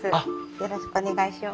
よろしくお願いします。